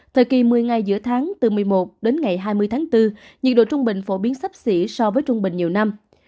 thời kỳ mưa ngay giữa tháng từ một mươi một hai mươi tháng bốn nhiệt độ trung bình phổ biến sắp xỉ so với trung bình nhiều năm